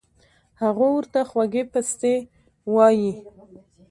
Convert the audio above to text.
هغو ورته خوږې پستې اووائي